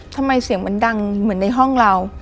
ทำไมเสียงมันดังเหมือนในห้องเรา